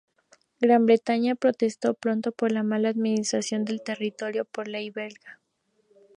Gran Bretaña protestó pronto por la mala administración del territorio por el rey belga.